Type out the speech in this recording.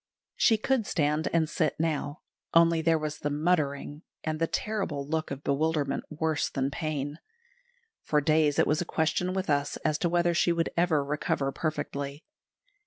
She could stand and sit now, only there was the "muttering," and the terrible look of bewilderment worse than pain. For days it was a question with us as to whether she would ever recover perfectly.